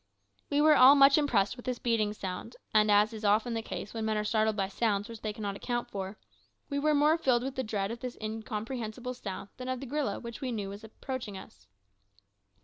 We were all much impressed with this beating sound, and, as is often the case when men are startled by sounds which they cannot account for, we were more filled with the dread of this incomprehensible sound than of the gorilla which we knew was approaching us.